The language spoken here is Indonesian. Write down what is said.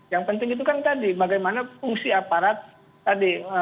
yang penting itu kan tadi bagaimana fungsi aparat tadi